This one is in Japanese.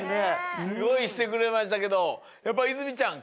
すごいしてくれましたけどやっぱ泉ちゃん